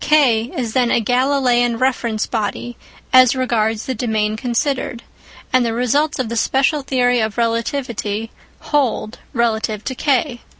K is then a Galileian reference body as regards the domain considered, and the results of the special theory of relativity hold relative to K.